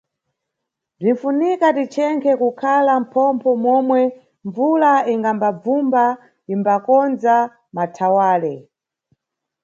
Bzinʼfunika tichenkhe kukhala mʼphompho momwe mbvula ingabvumba imbakondza mathawale.